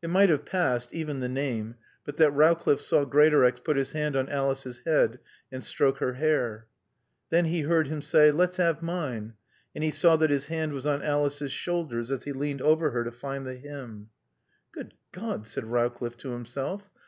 It might have passed even the name but that Rowcliffe saw Greatorex put his hand on Alice's head and stroke her hair. Then he heard him say, "Let's 'ave mine," and he saw that his hand was on Alice's shoulders as he leaned over her to find the hymn. "Good God!" said Rowcliffe to himself.